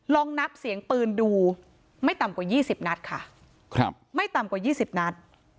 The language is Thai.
ลองนับเสียงปืนดูไม่ต่ำกว่า๒๐นัดค่ะไม่ต่ำกว่า๒๐นัด